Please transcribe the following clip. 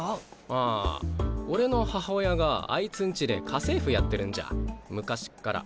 ああ俺の母親があいつんちで家政婦やってるんじゃ昔っから。